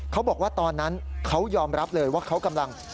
เขาบอกว่าตอนนั้นเขายอมรับเลยว่าเขากำลัง